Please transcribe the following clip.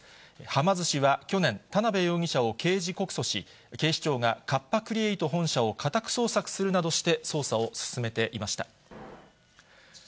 はま寿司は去年、田辺容疑者を刑事告訴し、警視庁がカッパ・クリエイト本社を家宅捜索するなどして捜査を進めていました。